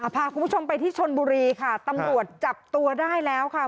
พาคุณผู้ชมไปที่ชนบุรีค่ะตำรวจจับตัวได้แล้วค่ะ